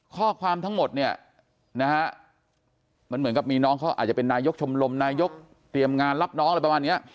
ข้อความทั้งหมดเนี่ยนะฮะมันเหมือนกับมีน้องเขาอาจจะเป็นนายกชมรมนายกเตรียมงานรับน้องอะไรประมาณนี้